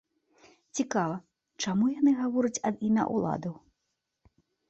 Цікава, чаму яны гавораць ад імя ўладаў?